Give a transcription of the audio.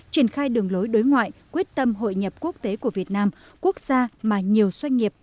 triển khai đường lối đối ngoại quyết tâm hội nhập quốc tế của việt nam quốc gia mà nhiều doanh nghiệp